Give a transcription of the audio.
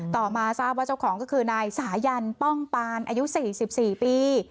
ต่อมาทราบว่าเจ้าของก็คือนายสายันป้องปานอายุ๔๔ปี